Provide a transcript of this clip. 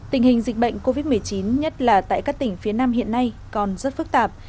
tình hình dịch bệnh covid một mươi chín nhất là tại các tỉnh phía nam hiện nay còn rất phức tạp